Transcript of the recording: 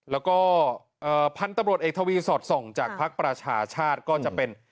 แล้วก็เอ่อพันธุ์ตะบรดเอกทวีสอดส่องจากภาคประชาชาติก็จะเป็น